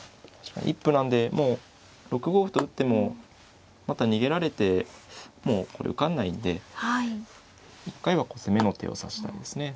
一歩なんでもう６五歩と打ってもまた逃げられてもうこれ受かんないんで一回はこう攻めの手を指したいですね。